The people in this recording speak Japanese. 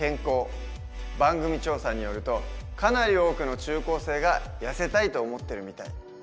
番組調査によるとかなり多くの中高生がやせたいと思ってるみたい。